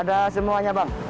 ada semuanya bang